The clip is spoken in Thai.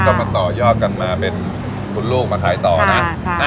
ก็มาต่อยอดกันมาเป็นคุณลูกมาขายต่อนะ